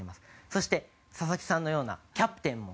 そして佐々木さんのようなキャプテンも。